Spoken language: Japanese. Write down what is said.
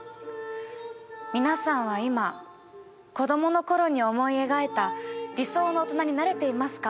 皆さんは今子供の頃に思い描いた理想の大人になれていますか？